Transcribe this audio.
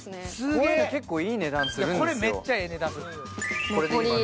こういうのって、結構いい値段するんですよ。